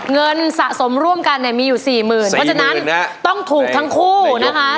เงินสะสมร่วมกันมีอยู่๔๐๐๐๐บาทเพราะฉะนั้นต้องถูกทั้งคู่นะคะ